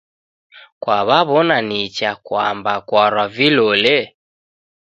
Kwaw'aw'ona nicha kwamba kwarwa vilole?